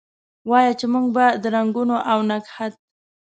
وایه! چې موږ به د رنګونو اونګهت،